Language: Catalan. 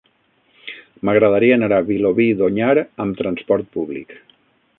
M'agradaria anar a Vilobí d'Onyar amb trasport públic.